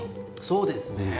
そうですね。